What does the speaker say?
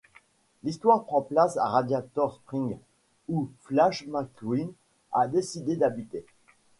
L’histoire prend place à Radiator Springs, où Flash McQueen a décidé d’habiter.